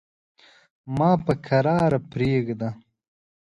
ما په کراره پرېږده.